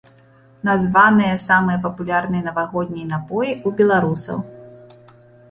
Названыя самыя папулярныя навагоднія напоі ў беларусаў.